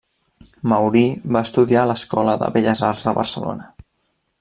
Maurí va estudiar a l'Escola de Belles Arts de Barcelona.